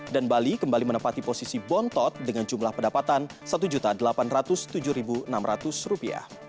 dan bali kembali menempati posisi bontot dengan jumlah pendapatan rp satu delapan ratus tujuh enam ratus